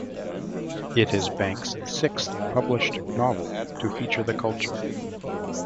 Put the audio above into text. It is Banks' sixth published novel to feature the Culture.